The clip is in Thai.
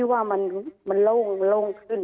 ว่ามันโล่งขึ้น